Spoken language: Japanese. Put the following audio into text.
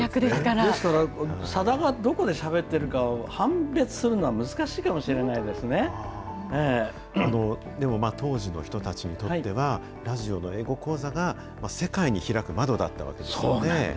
ですから、さだがどこでしゃべってるかを判別するのは難しいかもしれないででも、当時の人たちにとっては、ラジオの英語講座が世界に開く窓だったわけですよね。